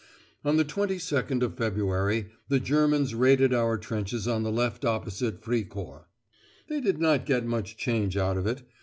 On the 22nd of February the Germans raided our trenches on the left opposite Fricourt. They did not get much change out of it.